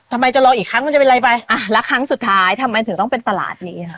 ทำไมจะรออีกครั้งมันจะเป็นไรไปอ่ะแล้วครั้งสุดท้ายทำไมถึงต้องเป็นตลาดนี้ค่ะ